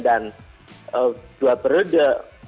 dan dua perede